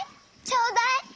ちょうだい！